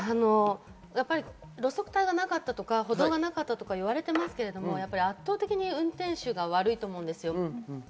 路側帯がなかったとか歩道がなかったと言われていますが、圧倒的に運転手が悪いと思います。